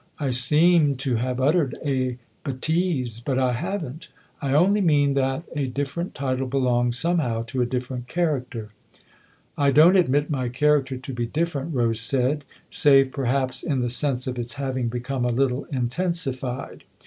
i( I seem to have uttered a betise but I haven't. I only mean that a different title belongs, somehow, to a different character." " I don't admit 1113' character to be different," Rose said ;" save perhaps in the sense of its having become a little intensified.